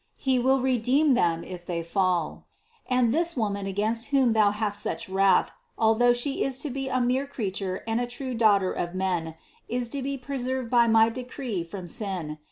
He will redeem them, if they fall. And this Woman against whom thou hast such wrath, although She is to be a mere creature and a true daughter of man, is to be preserved by my decree from sin.